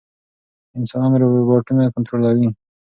انسانان روباټونه کنټرولوي.